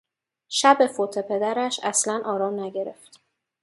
شب فوت پدرش اصلا آرام نگرفت.